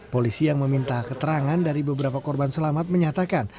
polisi yang meminta keterangan dari beberapa korban selamat menyatakan